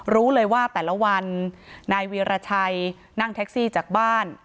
รู้เลยว่าแต่ละวันนายวีรชัยนั่งแท็กซี่จากบ้าน